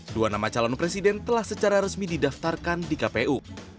dua nama calon presiden telah secara resmi didaftarkan di kpu